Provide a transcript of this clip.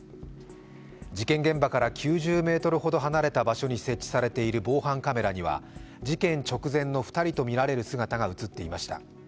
事件現場から９０ｍほど離れた場所に設置されている防犯カメラには事件直前の２人とみられる姿が映っていました。